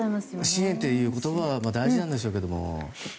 支援という言葉は大事なんでしょうけども。